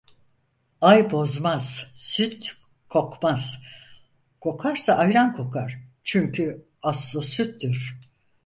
Ay bozmaz, süt kokmaz. Kokarsa ayran kokar, çünkü aslı süttür.